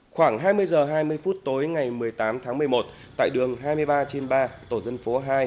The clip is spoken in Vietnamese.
khoảng hai mươi h hai mươi phút tối ngày một mươi tám tháng một mươi một tại đường hai mươi ba trên ba tổ dân phố hai